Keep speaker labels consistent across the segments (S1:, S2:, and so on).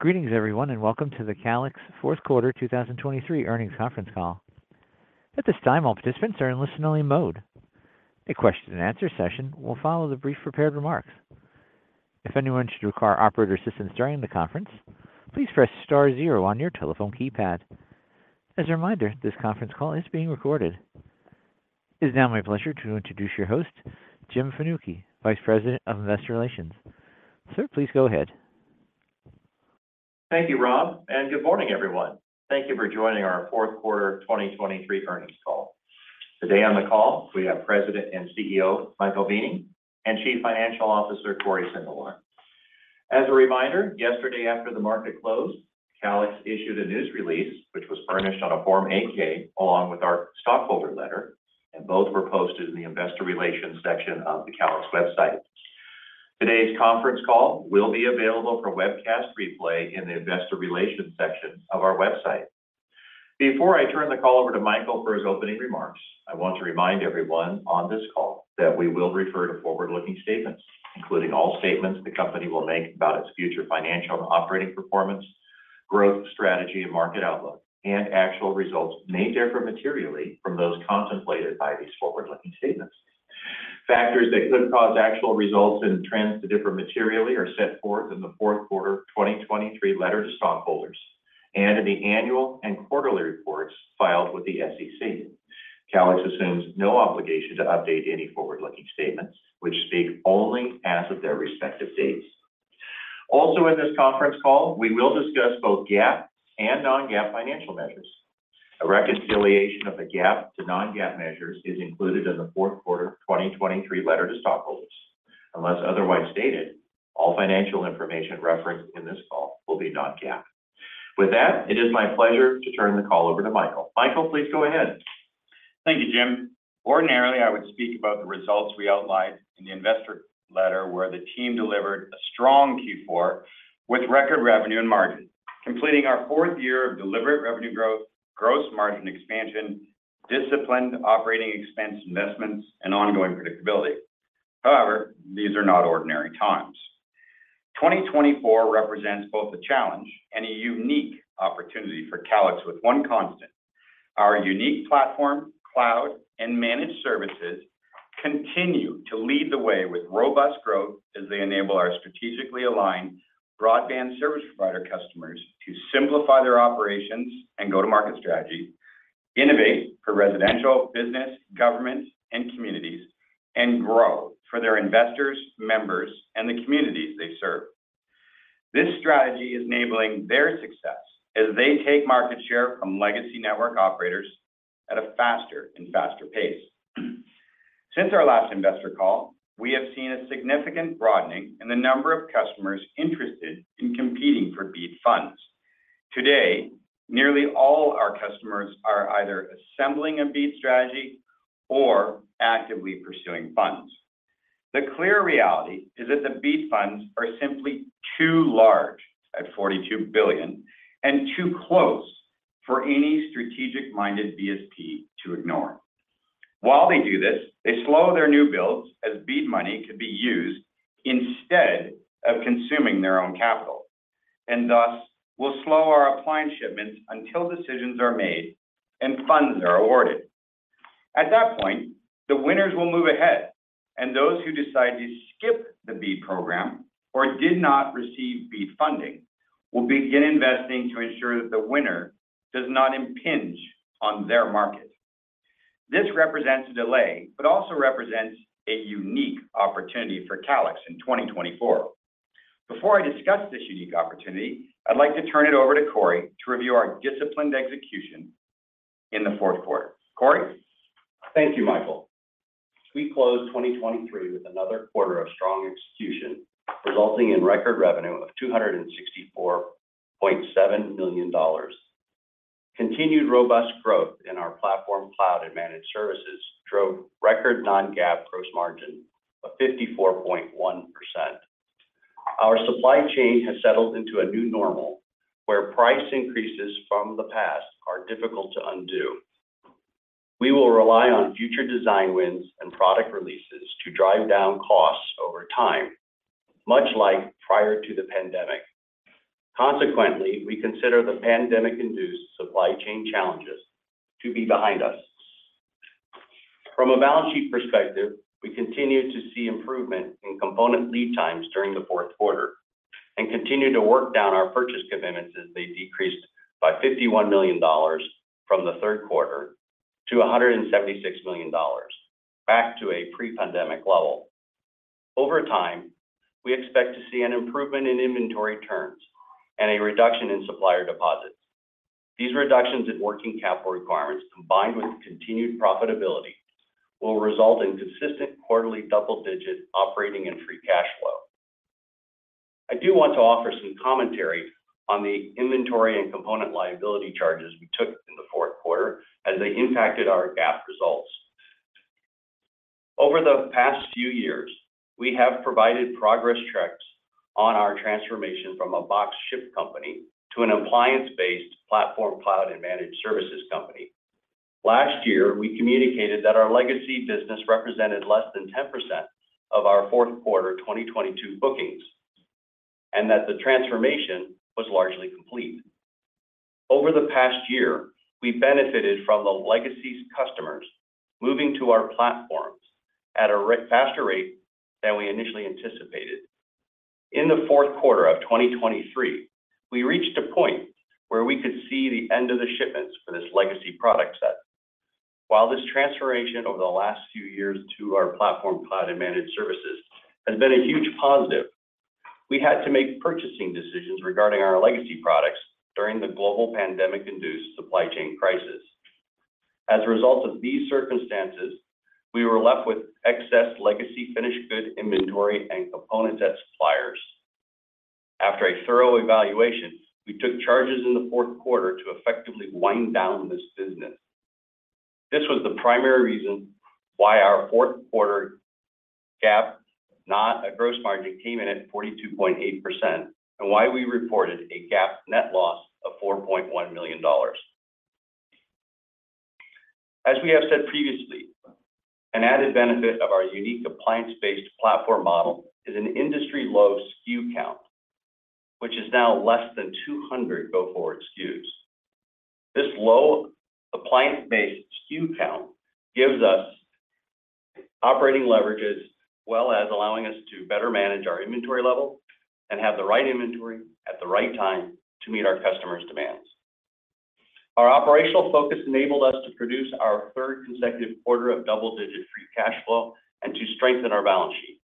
S1: Greetings everyone, and welcome to the Calix Fourth Quarter 2023 Earnings Conference Call. At this time, all participants are in listen-only mode. A question-and-answer session will follow the brief prepared remarks. If anyone should require operator assistance during the conference, please press star zero on your telephone keypad. As a reminder, this conference call is being recorded. It is now my pleasure to introduce your host, Jim Fanucchi, Vice President of Investor Relations. Sir, please go ahead.
S2: Thank you, Rob, and good morning, everyone. Thank you for joining our Fourth Quarter 2023 Earnings Call. Today on the call, we have President and CEO, Michael Weening, and Chief Financial Officer, Cory Sindelar. As a reminder, yesterday after the market closed, Calix issued a news release, which was furnished on a Form 8-K, along with our stockholder letter, and both were posted in the Investor Relations section of the Calix website. Today's conference call will be available for webcast replay in the Investor Relations section of our website. Before I turn the call over to Michael for his opening remarks, I want to remind everyone on this call that we will refer to forward-looking statements, including all statements the company will make about its future financial and operating performance, growth, strategy, and market outlook. Actual results may differ materially from those contemplated by these forward-looking statements. Factors that could cause actual results and trends to differ materially are set forth in the fourth quarter 2023 letter to stockholders and in the annual and quarterly reports filed with the SEC. Calix assumes no obligation to update any forward-looking statements, which speak only as of their respective dates. Also, in this conference call, we will discuss both GAAP and non-GAAP financial measures. A reconciliation of the GAAP to non-GAAP measures is included in the Fourth Quarter 2023 Letter to Stockholders. Unless otherwise stated, all financial information referenced in this call will be non-GAAP. With that, it is my pleasure to turn the call over to Michael. Michael, please go ahead.
S3: Thank you, Jim. Ordinarily, I would speak about the results we outlined in the Investor Letter, where the team delivered a strong Q4 with record revenue and margin, completing our fourth year of deliberate revenue growth, gross margin expansion, disciplined operating expense investments, and ongoing predictability. However, these are not ordinary times. 2024 represents both a challenge and a unique opportunity for Calix with one constant. Our unique platform, cloud, and managed services continue to lead the way with robust growth as they enable our strategically aligned broadband service provider customers to simplify their operations and go-to-market strategy, innovate for residential, business, government, and communities, and grow for their investors, members, and the communities they serve. This strategy is enabling their success as they take market share from legacy network operators at a faster and faster pace. Since our last investor call, we have seen a significant broadening in the number of customers interested in competing for BEAD funds. Today, nearly all our customers are either assembling a BEAD strategy or actively pursuing funds. The clear reality is that the BEAD funds are simply too large, at $42 billion, and too close for any strategic-minded BSP to ignore. While they do this, they slow their new builds as BEAD money could be used instead of consuming their own capital, and thus will slow our appliance shipments until decisions are made and funds are awarded. At that point, the winners will move ahead, and those who decide to skip the BEAD program or did not receive BEAD funding will begin investing to ensure that the winner does not impinge on their market. This represents a delay, but also represents a unique opportunity for Calix in 2024. Before I discuss this unique opportunity, I'd like to turn it over to Cory to review our disciplined execution in the fourth quarter. Cory?
S4: Thank you, Michael. We closed 2023 with another quarter of strong execution, resulting in record revenue of $264.7 million. Continued robust growth in our platform, cloud, and managed services drove record non-GAAP gross margin of 54.1%. Our supply chain has settled into a new normal, where price increases from the past are difficult to undo. We will rely on future design wins and product releases to drive down costs over time, much like prior to the pandemic. Consequently, we consider the pandemic-induced supply chain challenges to be behind us. From a balance sheet perspective, we continued to see improvement in component lead times during the fourth quarter and continued to work down our purchase commitments as they decreased by $51 million from the third quarter to $176 million, back to a pre-pandemic level. Over time, we expect to see an improvement in inventory turns and a reduction in supplier deposits. These reductions in working capital requirements, combined with continued profitability, will result in consistent quarterly double-digit operating and free cash flow. I do want to offer some commentary on the inventory and component liability charges we took in the fourth quarter, as they impacted our GAAP results. Over the past few years, we have provided progress checks on our transformation from a box ship company to an appliance-based platform, cloud, and managed services company. Last year, we communicated that our legacy business represented less than 10% of our fourth quarter 2022 bookings, and that the transformation was largely complete. Over the past year, we benefited from the legacy's customers moving to our platforms at a faster rate than we initially anticipated. In the fourth quarter of 2023, we reached a point where we could see the end of the shipments for this legacy product set. While this transformation over the last few years to our platform, cloud, and managed services has been a huge positive, we had to make purchasing decisions regarding our legacy products during the global pandemic-induced supply chain crisis. As a result of these circumstances, we were left with excess legacy finished goods inventory and components at suppliers. After a thorough evaluation, we took charges in the fourth quarter to effectively wind down this business. This was the primary reason why our fourth quarter GAAP gross margin came in at 42.8%, and why we reported a GAAP net loss of $4.1 million. As we have said previously, an added benefit of our unique appliance-based platform model is an industry-low SKU count, which is now less than 200 go-forward SKUs. This low appliance-based SKU count gives us operating leverages, as well as allowing us to better manage our inventory level and have the right inventory at the right time to meet our customers' demands. Our operational focus enabled us to produce our third consecutive quarter of double-digit free cash flow and to strengthen our balance sheet.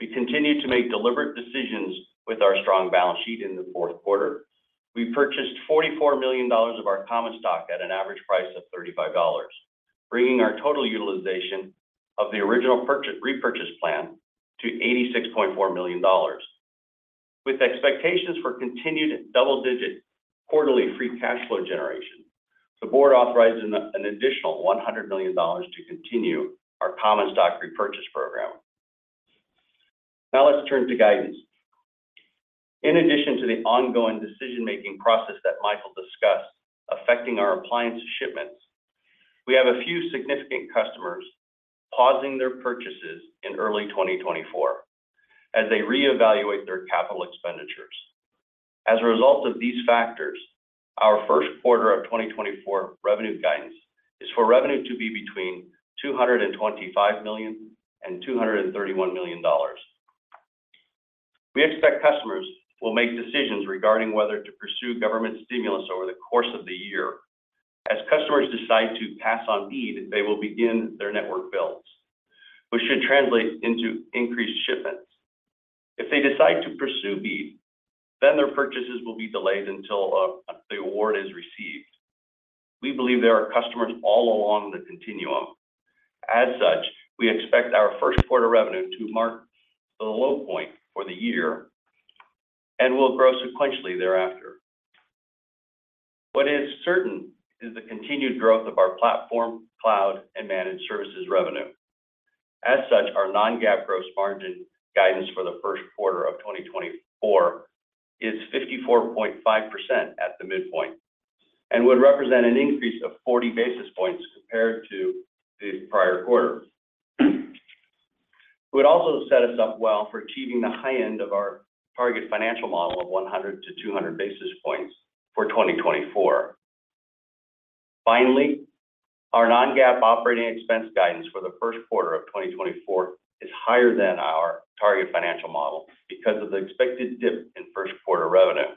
S4: We continued to make deliberate decisions with our strong balance sheet in the fourth quarter. We purchased $44 million of our common stock at an average price of $35, bringing our total utilization of the original purchase-repurchase plan to $86.4 million. With expectations for continued double-digit quarterly free cash flow generation, the board authorized an additional $100 million to continue our common stock repurchase program. Now let's turn to guidance. In addition to the ongoing decision-making process that Michael discussed affecting our appliance shipments, we have a few significant customers pausing their purchases in early 2024 as they reevaluate their capital expenditures. As a result of these factors, our first quarter of 2024 revenue guidance is for revenue to be between $225 million and $231 million. We expect customers will make decisions regarding whether to pursue government stimulus over the course of the year. As customers decide to pass on BEAD, they will begin their network builds, which should translate into increased shipments. If they decide to pursue BEAD, then their purchases will be delayed until the award is received. We believe there are customers all along the continuum. As such, we expect our first quarter revenue to mark the low point for the year and will grow sequentially thereafter. What is certain is the continued growth of our platform, cloud, and managed services revenue. As such, our non-GAAP gross margin guidance for the first quarter of 2024 is 54.5% at the midpoint and would represent an increase of 40 basis points compared to the prior quarter. It would also set us up well for achieving the high end of our target financial model of 100-200 basis points for 2024. Finally, our non-GAAP operating expense guidance for the first quarter of 2024 is higher than our target financial model because of the expected dip in first quarter revenue.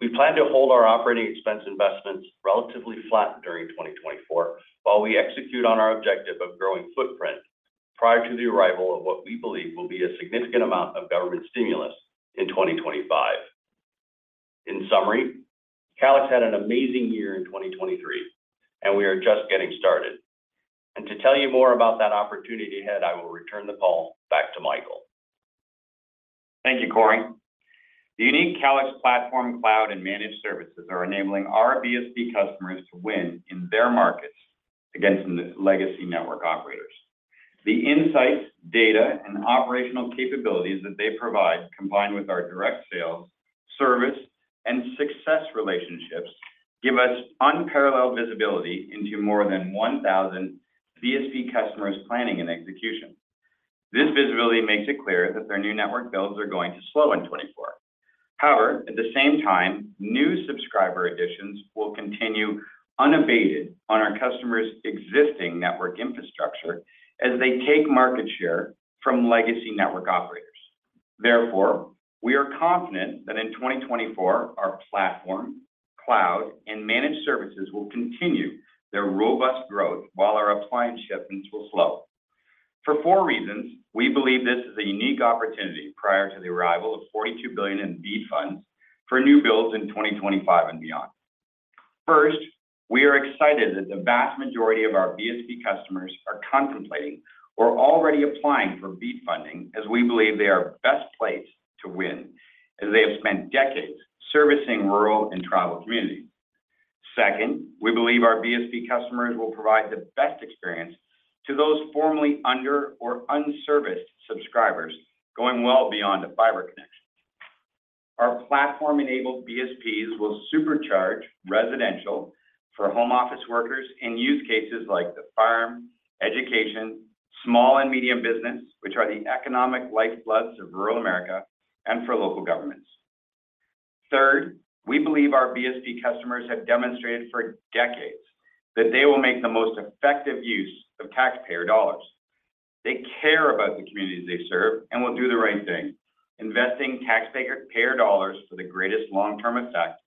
S4: We plan to hold our operating expense investments relatively flat during 2024, while we execute on our objective of growing footprint prior to the arrival of what we believe will be a significant amount of government stimulus in 2025. In summary, Calix had an amazing year in 2023, and we are just getting started. And to tell you more about that opportunity ahead, I will return the call back to Michael.
S3: Thank you, Cory. The unique Calix platform, cloud, and managed services are enabling our BSP customers to win in their markets against legacy network operators. The insights, data, and operational capabilities that they provide, combined with our direct sales, service, and success relationships, give us unparalleled visibility into more than 1,000 BSP customers' planning and execution. This visibility makes it clear that their new network builds are going to slow in 2024. However, at the same time, new subscriber additions will continue unabated on our customers' existing network infrastructure as they take market share from legacy network operators. Therefore, we are confident that in 2024, our platform, cloud, and managed services will continue their robust growth, while our appliance shipments will slow. For four reasons, we believe this is a unique opportunity prior to the arrival of $42 billion in BEAD funds for new builds in 2025 and beyond. First, we are excited that the vast majority of our BSP customers are contemplating or already applying for BEAD funding, as we believe they are best placed to win, as they have spent decades servicing rural and tribal communities. Second, we believe our BSP customers will provide the best experience to those formerly under or unserviced subscribers, going well beyond a fiber connection. Our platform-enabled BSPs will supercharge residential for home office workers in use cases like the farm, education, small and medium business, which are the economic lifeblood of rural America and for local governments. Third, we believe our BSP customers have demonstrated for decades that they will make the most effective use of taxpayer dollars. They care about the communities they serve and will do the right thing, investing taxpayer dollars for the greatest long-term effect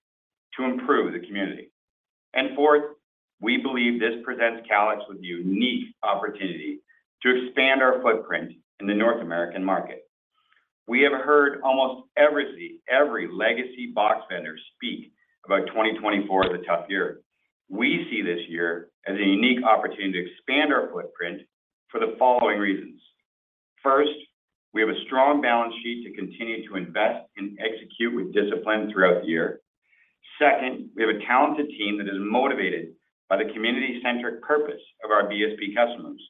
S3: to improve the community. And fourth, we believe this presents Calix with a unique opportunity to expand our footprint in the North American market. We have heard almost every legacy box vendor speak about 2024 as a tough year. We see this year as a unique opportunity to expand our footprint for the following reasons. First, we have a strong balance sheet to continue to invest and execute with discipline throughout the year. Second, we have a talented team that is motivated by the community-centric purpose of our BSP customers.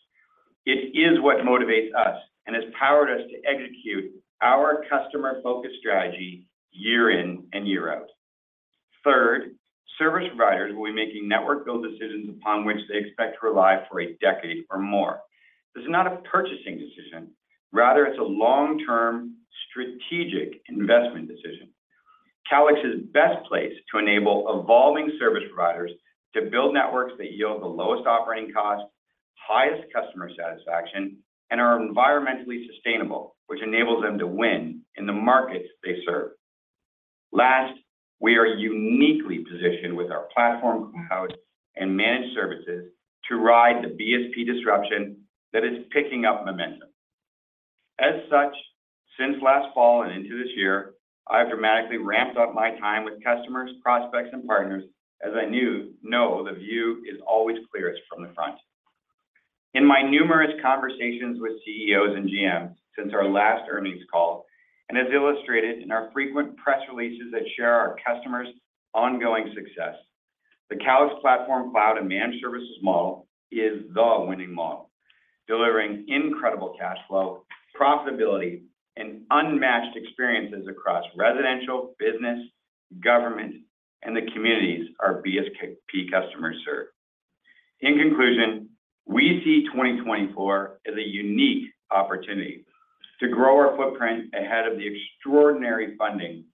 S3: It is what motivates us and has powered us to execute our customer-focused strategy year in and year out. Third, service providers will be making network build decisions upon which they expect to rely for a decade or more. This is not a purchasing decision, rather it's a long-term strategic investment decision. Calix is best placed to enable evolving service providers to build networks that yield the lowest operating costs, highest customer satisfaction, and are environmentally sustainable, which enables them to win in the markets they serve. Last, we are uniquely positioned with our platform, cloud, and managed services to ride the BSP disruption that is picking up momentum. As such, since last fall and into this year, I've dramatically ramped up my time with customers, prospects, and partners, as I know the view is always clearest from the front. In my numerous conversations with CEOs and GMs since our last earnings call, and as illustrated in our frequent press releases that share our customers' ongoing success, the Calix platform, cloud, and managed services model is the winning model, delivering incredible cash flow, profitability, and unmatched experiences across residential, business, government, and the communities our BSP customers serve. In conclusion, we see 2024 as a unique opportunity to grow our footprint ahead of the extraordinary funding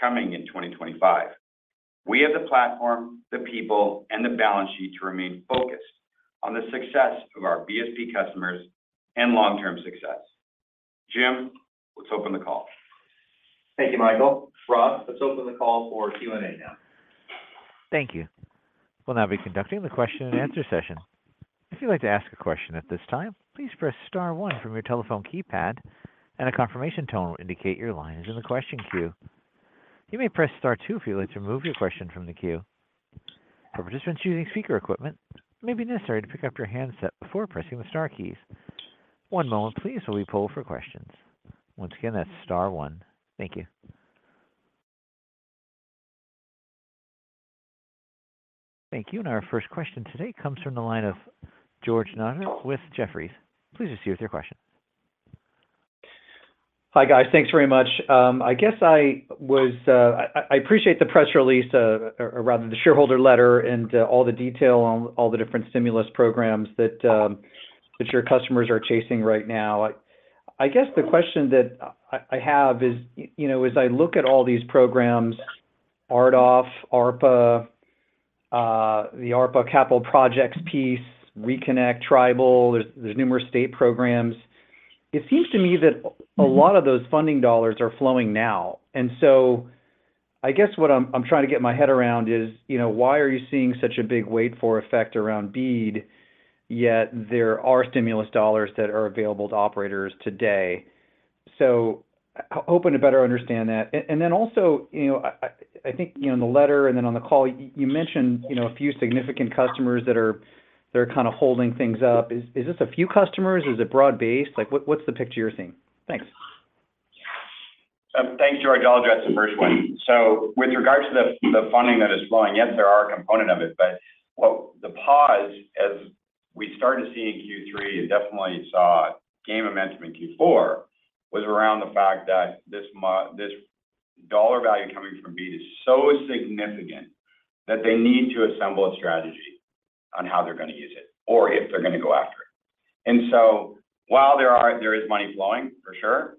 S3: coming in 2025. We have the platform, the people, and the balance sheet to remain focused on the success of our BSP customers and long-term success. Jim, let's open the call.
S2: Thank you, Michael. Rob, let's open the call for Q&A now.
S1: Thank you. We'll now be conducting the question-and-answer session. If you'd like to ask a question at this time, please press star one from your telephone keypad, and a confirmation tone will indicate your line is in the question queue. You may press star two if you'd like to remove your question from the queue. For participants using speaker equipment, it may be necessary to pick up your handset before pressing the star keys. One moment, please, while we poll for questions. Once again, that's star one. Thank you. Thank you. And our first question today comes from the line of George Notter with Jefferies. Please proceed with your question.
S5: Hi, guys. Thanks very much. I guess I appreciate the press release, or rather the shareholder letter and all the detail on all the different stimulus programs that your customers are chasing right now. I guess the question that I have is, you know, as I look at all these programs, RDOF, ARPA, the ARPA capital projects piece, ReConnect, Tribal, there's numerous state programs. It seems to me that a lot of those funding dollars are flowing now. So I guess what I'm trying to get my head around is, you know, why are you seeing such a big wait for effect around BEAD, yet there are stimulus dollars that are available to operators today? So hoping to better understand that. And then also, you know, I think, you know, in the letter and then on the call, you mentioned, you know, a few significant customers that are kind of holding things up. Is this a few customers? Is it broad-based? Like, what's the picture you're seeing? Thanks.
S3: Thanks, George. I'll address the first one. So with regards to the funding that is flowing, yes, there are a component of it, but what the pause, as we started seeing in Q3 and definitely saw gain momentum in Q4, was around the fact that this dollar value coming from BEAD is so significant that they need to assemble a strategy on how they're going to use it or if they're going to go after it. And so while there is money flowing, for sure,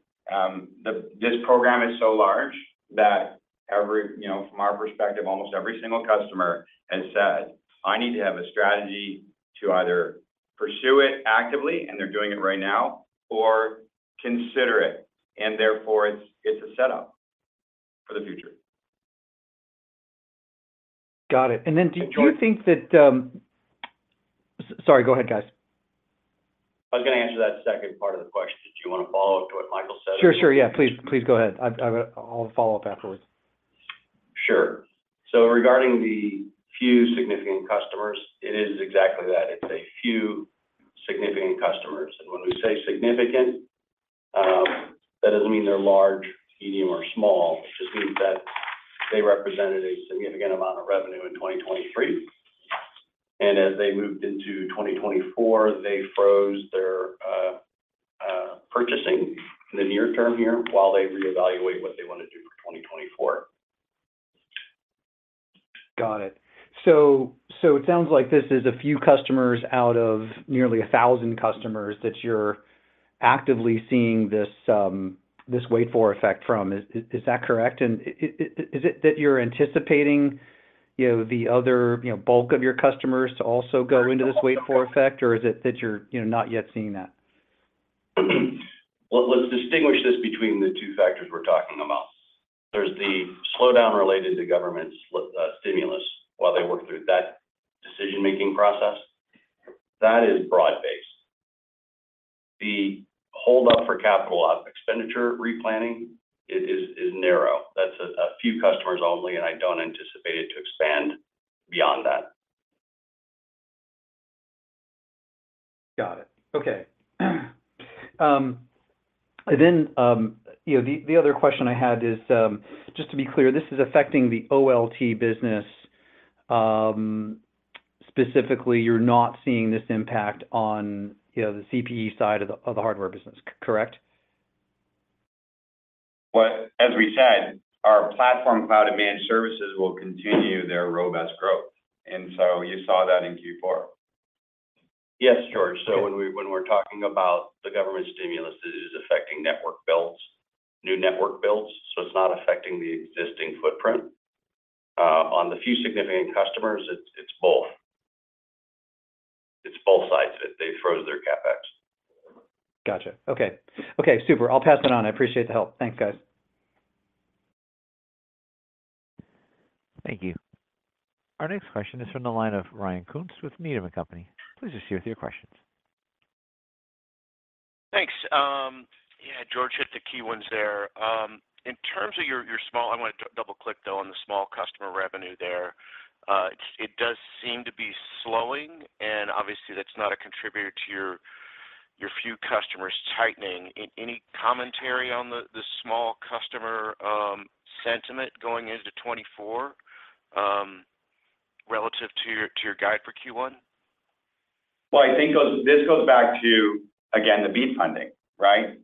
S3: this program is so large that every, you know, from our perspective, almost every single customer has said, "I need to have a strategy to either pursue it actively," and they're doing it right now, "or consider it, and therefore it's a setup for the future.
S5: Got it. And then do you think that?
S4: I was going to answer that second part of the question. Do you want to follow up to what Michael said?
S5: Please go ahead. I'll follow up afterwards.
S4: Sure. So regarding the few significant customers, it is exactly that. It's a few significant customers. And when we say significant, that doesn't mean they're large, medium, or small. It just means that they represented a significant amount of revenue in 2023 and as they moved into 2024, they froze their purchasing in the near term here while they reevaluate what they want to do for 2024.
S5: Got it. So it sounds like this is a few customers out of nearly 1,000 customers that you're actively seeing this wait-for effect from. Is that correct? And is it that you're anticipating, you know, the other, you know, bulk of your customers to also go into this wait-for effect, or is it that you're, you know, not yet seeing that?
S4: Well, let's distinguish this between the two factors we're talking about. There's the slowdown related to government stimulus while they work through that decision-making process. That is broad-based. The hold up for capital expenditure replanning is narrow. That's a few customers only, and I don't anticipate it to expand beyond that.
S5: Got it. Okay. And then, you know, the other question I had is, just to be clear, this is affecting the OLT business. Specifically, you're not seeing this impact on, you know, the CPE side of the hardware business, correct?
S3: Well, as we said, our platform cloud demand services will continue their robust growth, and so you saw that in Q4.
S4: Yes, George. So when we're talking about the government stimulus, it is affecting network builds, new network builds, so it's not affecting the existing footprint. On the few significant customers, it's both. It's both sides that they froze their CapEx.
S5: Gotcha. Okay. Okay, super. I'll pass it on. I appreciate the help. Thanks, guys.
S1: Thank you. Our next question is from the line of Ryan Koontz with Needham and Company. Please proceed with your questions.
S6: Thanks. Yeah, George hit the key ones there. In terms of your, your small, I want to double-click, though, on the small customer revenue there. It does seem to be slowing, and obviously, that's not a contributor to your, your few customers tightening. Any commentary on the, the small customer sentiment going into 2024, relative to your, to your guide for Q1?
S3: Well, I think this goes back to, again, the BEAD funding, right?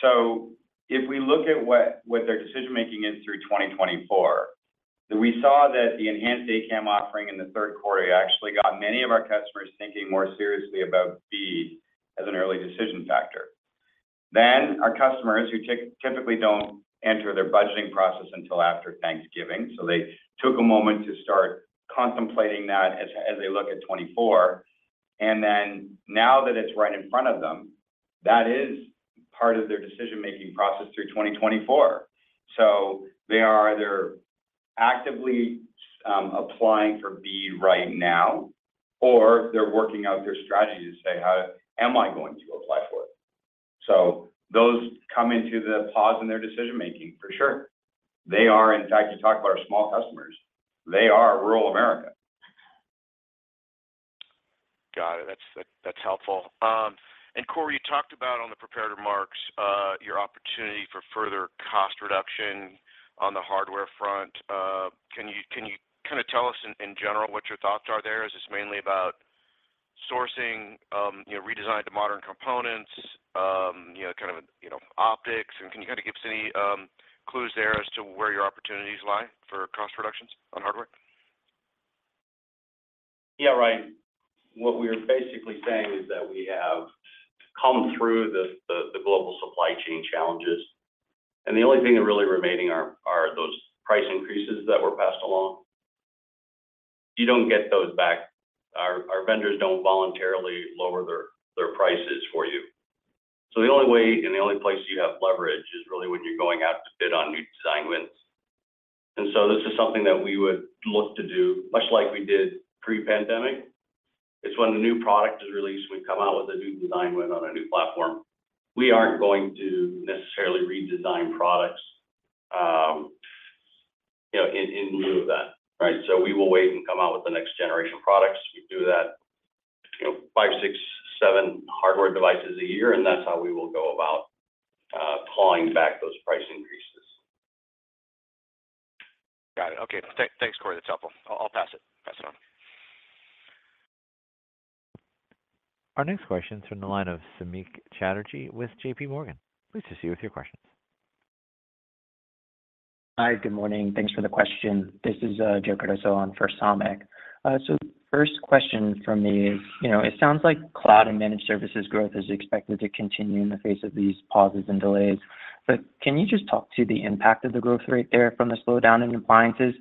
S3: So if we look at what their decision making is through 2024, we saw that the Enhanced A-CAM offering in the third quarter actually got many of our customers thinking more seriously about BEAD as an early decision factor. Then, our customers, who typically don't enter their budgeting process until after Thanksgiving, so they took a moment to start contemplating that as they look at 2024. And then now that it's right in front of them, that is part of their decision-making process through 2024. So they are either actively applying for BEAD right now, or they're working out their strategy to say, "How am I going to apply for it?" So those come into the pause in their decision making, for sure. They are, in fact, you talk about our small customers, they are rural America.
S6: Got it. That's, that's helpful. Cory, you talked about on the prepared remarks, your opportunity for further cost reduction on the hardware front. Can you, can you kind of tell us in, in general, what your thoughts are there? Is this mainly about sourcing, you know, redesign to modern components, you know, kind of, you know, optics? And can you kind of give us any, clues there as to where your opportunities lie for cost reductions on hardware?
S4: Yeah, Ryan, what we're basically saying is that we have come through the global supply chain challenges, and the only thing that really remaining are those price increases that were passed along. You don't get those back. Our vendors don't voluntarily lower their prices for you. So the only way and the only place you have leverage is really when you're going out to bid on new design wins. And so this is something that we would look to do, much like we did pre-pandemic. It's when the new product is released, we come out with a new design win on a new platform. We aren't going to necessarily redesign products, you know, in lieu of that, right? So we will wait and come out with the next generation products. We do that, you know, 5, 6, 7 hardware devices a year, and that's how we will go about clawing back those price increases.
S6: Got it. Okay. Thanks, Cory. That's helpful. I'll pass it on.
S1: Our next question is from the line of Samik Chatterjee with JPMorgan. Please proceed with your questions.
S7: Hi, good morning. Thanks for the question. This is, Joe Cardoso on for Samik. So first question from me is, you know, it sounds like cloud and managed services growth is expected to continue in the face of these pauses and delays. But can you just talk to the impact of the growth rate there from the slowdown in appliances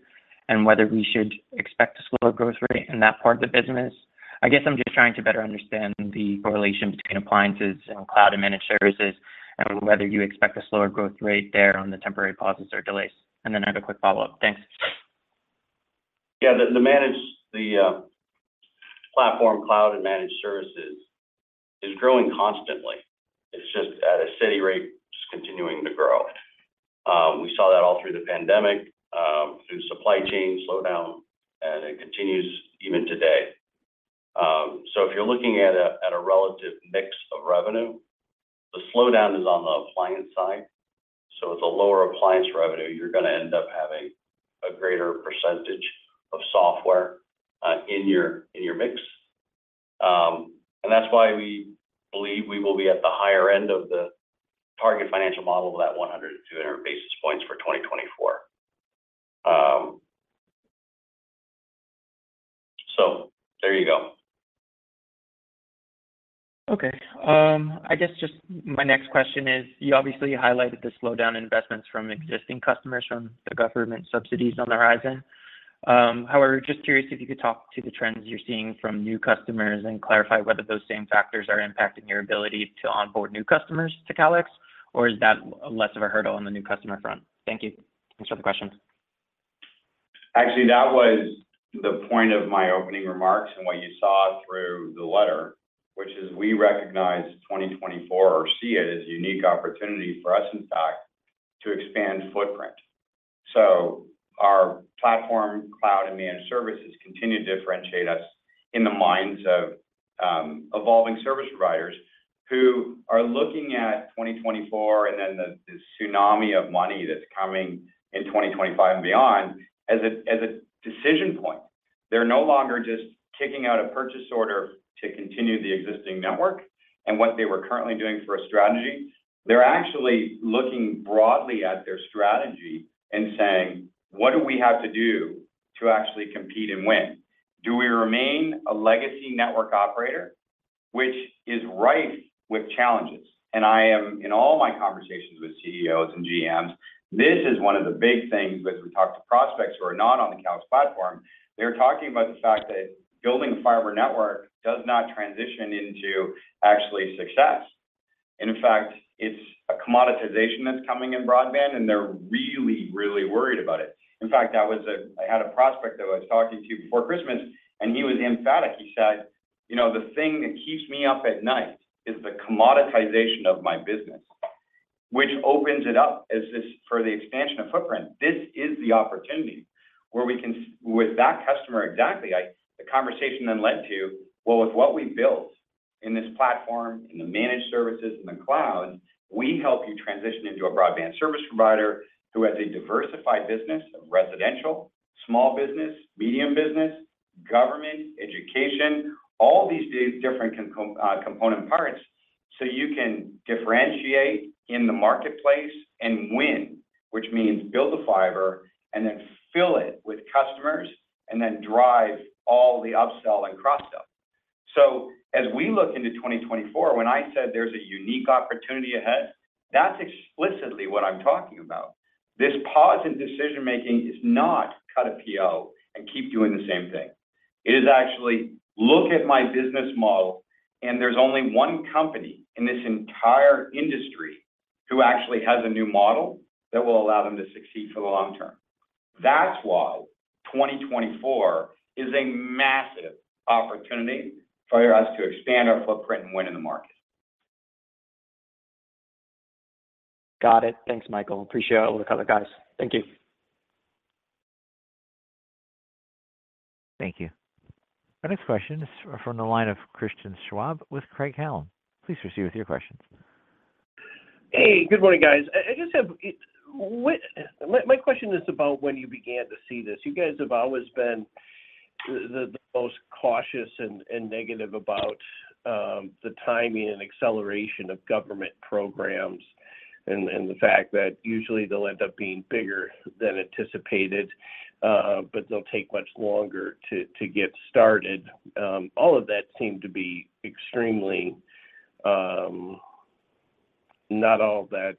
S7: and whether we should expect a slower growth rate in that part of the business? I guess I'm just trying to better understand the correlation between appliances and cloud and managed services, and whether you expect a slower growth rate there on the temporary pauses or delays. And then I have a quick follow-up. Thanks.
S3: Yeah, the managed platform cloud and managed services is growing constantly. It's just at a steady rate, just continuing to grow. We saw that all through the pandemic, through supply chain slowdown, and it continues even today. So if you're looking at a relative mix of revenue, the slowdown is on the appliance side so it's a lower appliance revenue, you're going to end up having a greater percentage of software in your, in your mix. And that's why we believe we will be at the higher end of the target financial model of that 100-200 basis points for 2024. So there you go.
S7: Okay. I guess just my next question is, you obviously highlighted the slowdown in investments from existing customers from the government subsidies on the horizon. However, just curious if you could talk to the trends you're seeing from new customers and clarify whether those same factors are impacting your ability to onboard new customers to Calix, or is that less of a hurdle on the new customer front? Thank you. Thanks for the question.
S3: Actually, that was the point of my opening remarks and what you saw through the letter, which is we recognize 2024 or see it as a unique opportunity for us, in fact, to expand footprint. So our platform, cloud, and managed services continue to differentiate us in the minds of evolving service providers who are looking at 2024 and then the tsunami of money that's coming in 2025 and beyond as a decision point. They're no longer just kicking out a purchase order to continue the existing network and what they were currently doing for a strategy. They're actually looking broadly at their strategy and saying, "What do we have to do to actually compete and win? “Do we remain a legacy network operator?” which is rife with challenges, and I am, in all my conversations with CEOs and GMs, this is one of the big things when we talk to prospects who are not on the Calix platform. They're talking about the fact that building a fiber network does not transition into actual success. And in fact, it's a commoditization that's coming in broadband, and they're really, really worried about it. In fact, I had a prospect that I was talking to before Christmas, and he was emphatic. He said, “You know, the thing that keeps me up at night is the commoditization of my business,” which opens it up as this, for the expansion of footprint. This is the opportunity where we can, with that customer, exactly, the conversation then led to, well, with what we built in this platform, in the managed services, in the cloud, we help you transition into a broadband service provider who has a diversified business of residential, small business, medium business, government, education, all these different compo, component parts. So you can differentiate in the marketplace and win, which means build the fiber and then fill it with customers and then drive all the upsell and cross-sell. So as we look into 2024, when I said there's a unique opportunity ahead, that's explicitly what I'm talking about. This pause in decision-making is not cut a PO and keep doing the same thing. It is actually, look at my business model, and there's only one company in this entire industry who actually has a new model that will allow them to succeed for the long term. That's why 2024 is a massive opportunity for us to expand our footprint and win in the market.
S7: Got it. Thanks, Michael. Appreciate it. I will cover guys. Thank you.
S1: Thank you. Our next question is from the line of Christian Schwab with Craig-Hallum. Please proceed with your questions.
S8: Hey, good morning, guys. I just have my question is about when you began to see this. You guys have always been the most cautious and negative about the timing and acceleration of government programs and the fact that usually they'll end up being bigger than anticipated, but they'll take much longer to get started. All of that seemed to be extremely not all that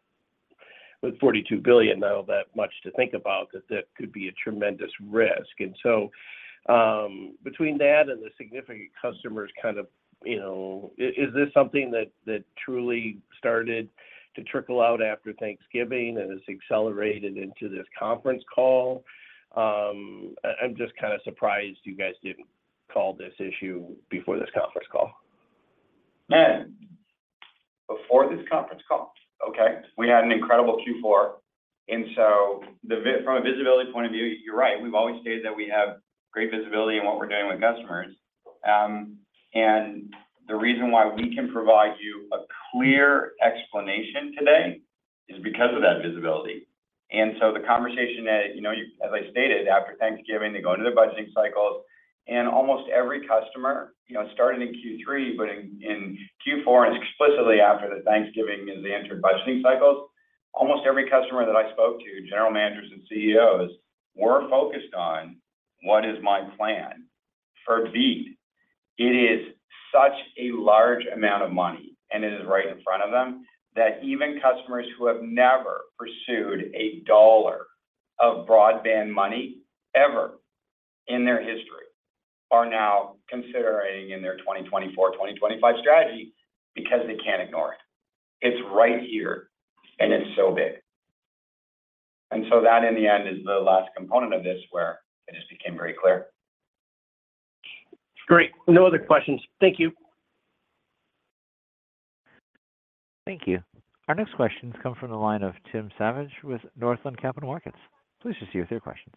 S8: with $42 billion not all that much to think about, that that could be a tremendous risk. And so, between that and the significant customers kind of, you know, is this something that truly started to trickle out after Thanksgiving and has accelerated into this conference call? I'm just kind of surprised you guys didn't call this issue before this conference call.
S3: Man, before this conference call, okay, we had an incredible Q4. And so the visibility from a visibility point of view, you're right, we've always stated that we have great visibility in what we're doing with customers. And the reason why we can provide you a clear explanation today is because of that visibility. And so the conversation that, you know, as I stated, after Thanksgiving, they go into their budgeting cycles, and almost every customer, you know, started in Q3, but in Q4, and explicitly after Thanksgiving, as they entered budgeting cycles, almost every customer that I spoke to, general managers and CEOs, were focused on: What is my plan for BEAD? It is such a large amount of money, and it is right in front of them, that even customers who have never pursued a dollar of broadband money ever in their history are now considering in their 2024, 2025 strategy because they can't ignore it. It's right here, and it's so big. And so that in the end is the last component of this, where it just became very clear.
S8: Great. No other questions. Thank you.
S1: Thank you. Our next questions come from the line of Tim Savageaux with Northland Capital Markets. Please proceed with your questions.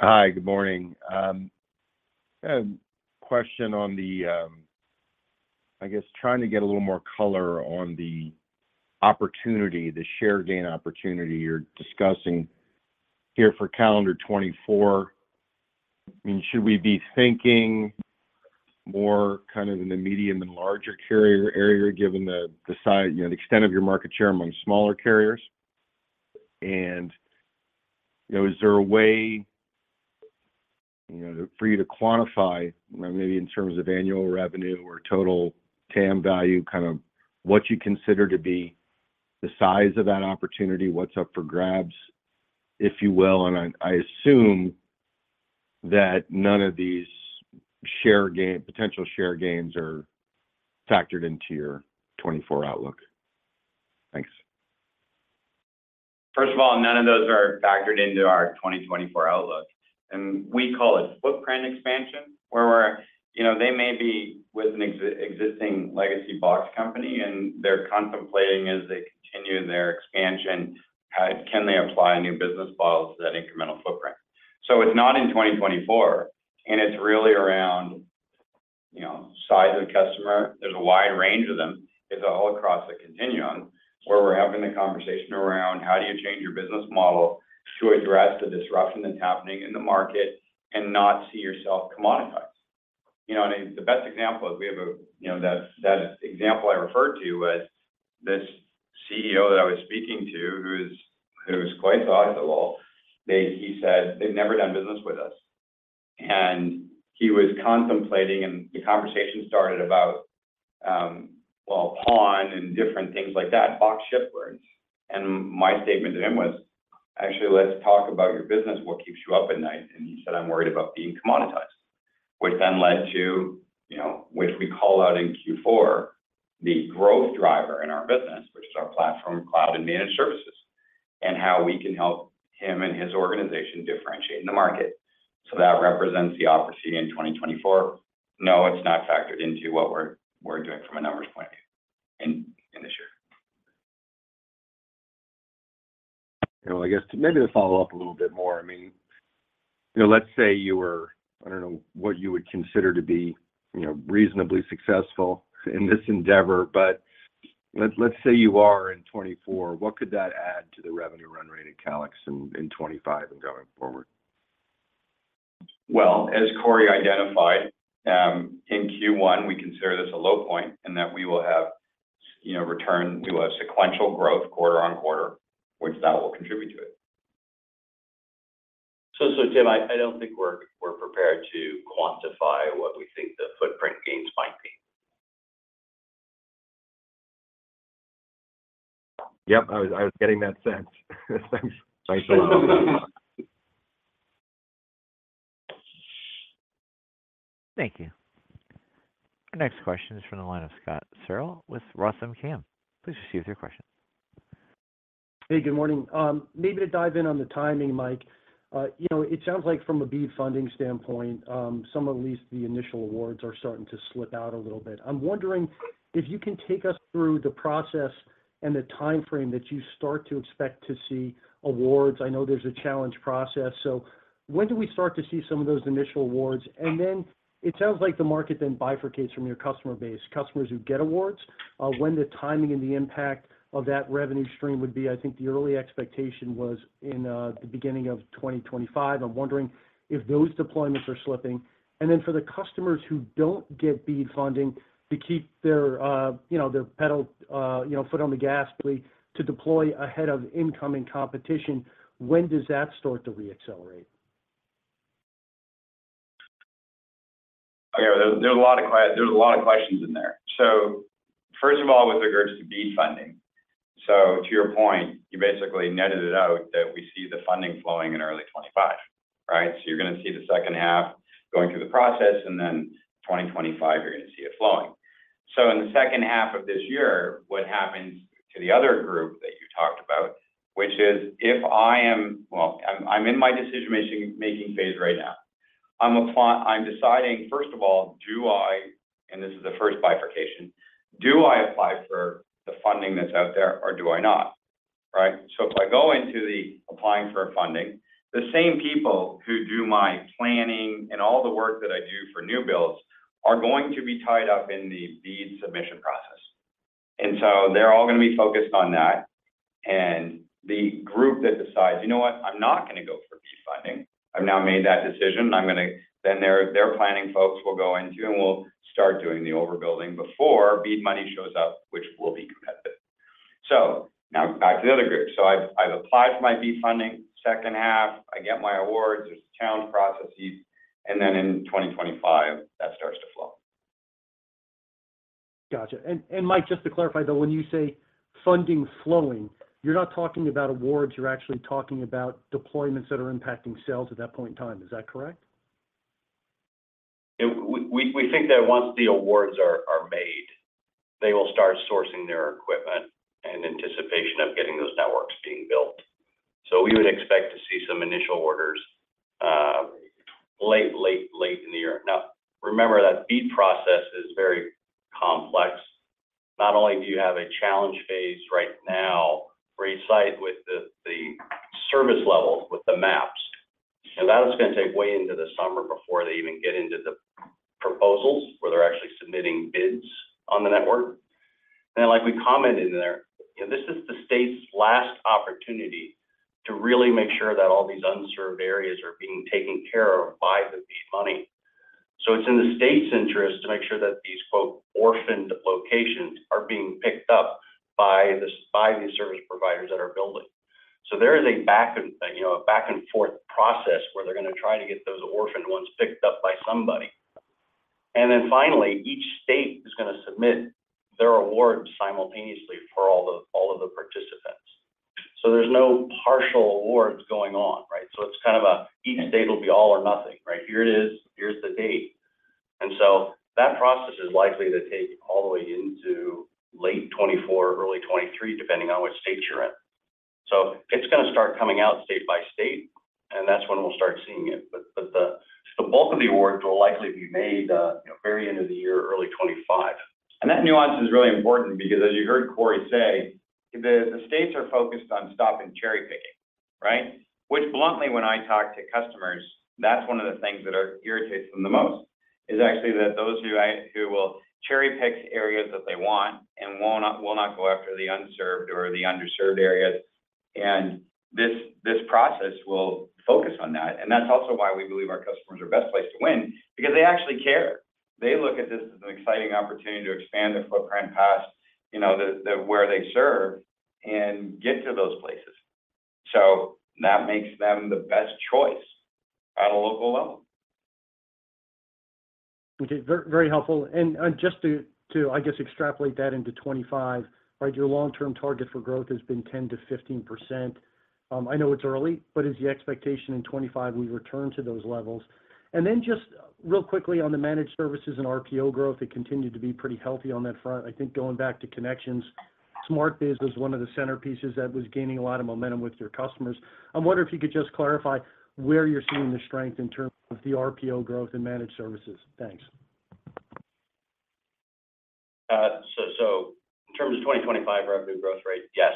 S9: Hi, good morning. A question on the, I guess trying to get a little more color on the opportunity, the share gain opportunity you're discussing here for calendar 2024. I mean, should we be thinking more kind of in the medium and larger carrier area, given the size, you know, the extent of your market share among smaller carriers? And, you know, is there a way, you know, for you to quantify, maybe in terms of annual revenue or total TAM value, kind of what you consider to be the size of that opportunity, what's up for grabs, if you will? And I assume that none of these share gain, potential share gains are factored into your 2024 outlook. Thanks.
S3: First of all, none of those are factored into our 2024 outlook. And we call it footprint expansion, where we're, you know, they may be with an existing legacy box company, and they're contemplating as they continue their expansion, how can they apply new business models to that incremental footprint? So it's not in 2024, and it's really around, you know, size of the customer. There's a wide range of them. It's all across the continuum, where we're having the conversation around how do you change your business model to address the disruption that's happening in the market and not see yourself commoditized? You know, and the best example is we have a, you know, that, that example I referred to as this CEO that I was speaking to, who's quite thoughtful. They, he said they've never done business with us. He was contemplating, and the conversation started about, well, PON and different things like that, box shippers. And my statement to him was, "Actually, let's talk about your business. What keeps you up at night?" And he said, "I'm worried about being commoditized." Which then led to, you know, which we call out in Q4, the growth driver in our business, which is our platform, cloud and managed services, and how we can help him and his organization differentiate in the market. So that represents the opportunity in 2024. No, it's not factored into what we're, we're doing from a numbers point in, in this year.
S9: Well, I guess maybe to follow up a little bit more. I mean, you know, let's say you were, I don't know what you would consider to be, you know, reasonably successful in this endeavor, but let's, let's say you are in 2024, what could that add to the revenue run rate at Calix in, in 2025 and going forward?
S3: Well, as Cory identified, in Q1, we consider this a low point, and that we will have, you know, return to a sequential growth quarter-over-quarter, which that will contribute to it.
S4: So, Tim, I don't think we're prepared to quantify what we think the footprint gains might be.
S9: Yep, I was getting that sense. Thanks.
S3: Thanks so much.
S1: Thank you. Our next question is from the line of Scott Searle with ROTH Capital. Please proceed with your question.
S10: Hey, good morning. Maybe to dive in on the timing, Mike, you know, it sounds like from a BEAD funding standpoint, some of at least the initial awards are starting to slip out a little bit. I'm wondering if you can take us through the process and the time frame that you start to expect to see awards. I know there's a challenge process, so when do we start to see some of those initial awards? And then it sounds like the market then bifurcates from your customer base. Customers who get awards, when the timing and the impact of that revenue stream would be, I think the early expectation was in, the beginning of 2025. I'm wondering if those deployments are slipping. And then for the customers who don't get BEAD funding to keep their, you know, their pedal, you know, foot on the gas, really, to deploy ahead of incoming competition, when does that start to reaccelerate?
S3: Yeah, there's a lot of questions in there. So first of all, with regards to BEAD funding, so to your point, you basically netted it out that we see the funding flowing in early 2025, right? So you're gonna see the second half going through the process, and then 2025, you're gonna see it flowing. So in the second half of this year, what happens to the other group that you talked about, which is if I am. Well, I'm in my decision-making phase right now. I'm deciding, first of all, do I. And this is the first bifurcation: Do I apply for the funding that's out there, or do I not? Right? So if I go into the applying for funding, the same people who do my planning and all the work that I do for new builds are going to be tied up in the BEAD submission process. And so they're all going to be focused on that. And the group that decides, "You know what? I'm not going to go for BEAD funding. I've now made that decision, I'm gonna..." Then their planning folks will go into and will start doing the overbuilding before BEAD money shows up, which will be competitive. So now back to the other group. So I've applied for my BEAD funding, second half, I get my awards, there's challenge processes, and then in 2025, that starts to flow.
S10: Gotcha. And Mike, just to clarify, though, when you say funding flowing, you're not talking about awards, you're actually talking about deployments that are impacting sales at that point in time. Is that correct?
S3: We think that once the awards are made, they will start sourcing their equipment in anticipation of getting those networks being built. So we would expect to see some initial orders late in the year. Now, remember that BEAD process is very complex. Not only do you have a challenge phase right now for each site with the service levels, with the maps, and that is going to take way into the summer before they even get into the proposals, where they're actually submitting bids on the network. And like we commented there, you know, this is the state's last opportunity to really make sure that all these unserved areas are being taken care of by the BEAD money. So it's in the state's interest to make sure that these, quote, “orphaned locations” are being picked up by the, by these service providers that are building. So there is a back and, you know, a back-and-forth process where they're going to try to get those orphaned ones picked up by somebody. And then finally, each state is going to submit their awards simultaneously for all the, all of the participants. So there's no partial awards going on, right? So it's kind of a, each state will be all or nothing, right? Here it is, here's the date. And so that process is likely to take all the way into late 2024, early 2023, depending on which state you're in. So it's going to start coming out state by state, and that's when we'll start seeing it. So the bulk of the awards will likely be made, you know, very end of the year, early 2025. And that nuance is really important because as you heard Cory say, the states are focused on stopping cherry-picking, right? Which bluntly, when I talk to customers, that's one of the things that irritates them the most, is actually that those who will cherry-pick areas that they want and will not go after the unserved or the underserved areas. And this process will focus on that. And that's also why we believe our customers are best placed to win, because they actually care. They look at this as an exciting opportunity to expand their footprint past, you know, where they serve and get to those places. So that makes them the best choice at a local level.
S10: Okay, very, very helpful. And just to, I guess, extrapolate that into 25, right, your long-term target for growth has been 10%-15%. I know it's early, but is the expectation in 25, we return to those levels? And then just real quickly on the managed services and RPO growth, it continued to be pretty healthy on that front. I think going back to connections, SmartBiz was one of the centerpieces that was gaining a lot of momentum with your customers. I wonder if you could just clarify where you're seeing the strength in terms of the RPO growth and managed services. Thanks.
S3: So, in terms of 2025 revenue growth rate, yes,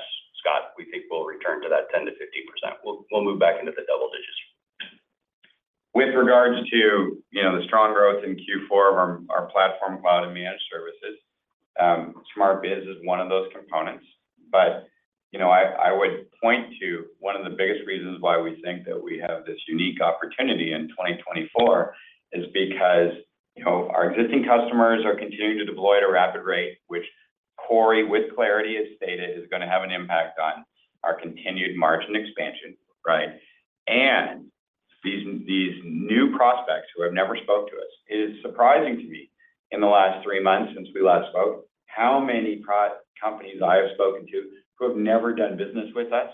S3: Scott, we think we'll return to that 10%-15%. We'll move back into the double digits. With regards to, you know, the strong growth in Q4 of our platform, cloud, and managed services, SmartBiz is one of those components. But I would point to one of the biggest reasons why we think that we have this unique opportunity in 2024 is because, you know, our existing customers are continuing to deploy at a rapid rate, which Cory, with clarity, has stated is going to have an impact on our continued margin expansion, right? These new prospects who have never spoke to us, it is surprising to me, in the last three months since we last spoke, how many companies I have spoken to who have never done business with us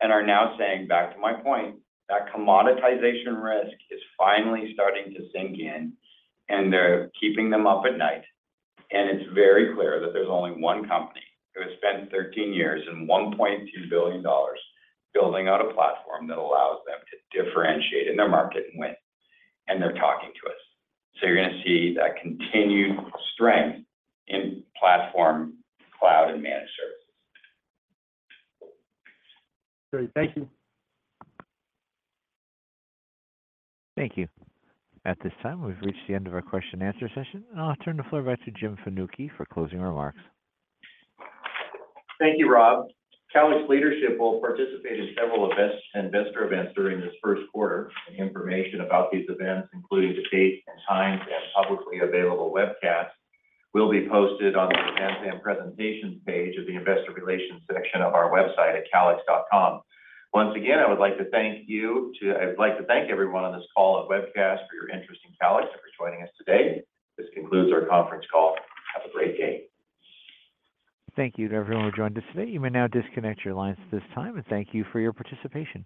S3: and are now saying, back to my point, that commoditization risk is finally starting to sink in, and they're keeping them up at night. It's very clear that there's only one company who has spent 13 years and $1.2 billion building out a platform that allows them to differentiate in their market and win, and they're talking to us. So you're going to see that continued strength in platform, cloud, and managed services.
S10: Great. Thank you.
S1: Thank you. At this time, we've reached the end of our question-and-answer session, and I'll turn the floor back to Jim Fanucchi for closing remarks.
S2: Thank you, Rob. Calix leadership will participate in several investor events during this first quarter. Information about these events, including the dates and times and publicly available webcasts, will be posted on the Events and Presentations page of the Investor Relations section of our website at calix.com. Once again, I would like to thank you. I'd like to thank everyone on this call and webcast for your interest in Calix and for joining us today. This concludes our conference call. Have a great day.
S1: Thank you to everyone who joined us today. You may now disconnect your lines at this time, and thank you for your participation.